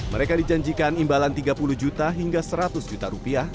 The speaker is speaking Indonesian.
mereka dijanjikan imbalan tiga puluh juta hingga seratus juta rupiah